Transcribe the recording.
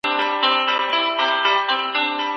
رشوت اخیستل او ورکول ګناه ده.